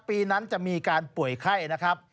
ปีนั้นจะมีการป่วยไข้นะครับ